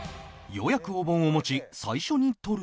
ようやくお盆を持ち最初に取るのは